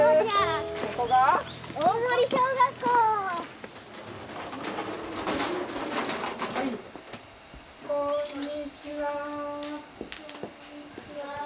こんにちは。